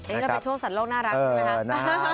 เราไปโชว์สันโลกน่ารักใช่ไหมครับ